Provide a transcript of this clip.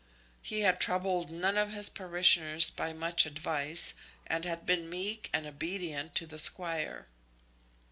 He had troubled none of his parishioners by much advice, and had been meek and obedient to the Squire.